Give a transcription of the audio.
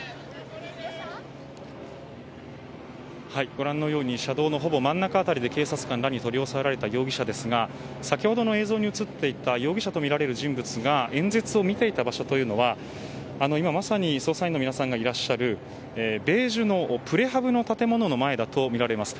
ご覧のように車道のほぼ真ん中辺りで警察官に取り押さえられた容疑者ですが先ほどの映像に映っていた容疑者とみられる人物が演説を見ていた場所は、今まさに捜査員の皆さんがいらっしゃるベージュのプレハブの建物の前だとみられます。